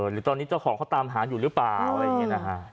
หรือตอนนี้เจ้าของเขาตามหาอยู่หรือเปล่าอะไรอย่างนี้นะฮะ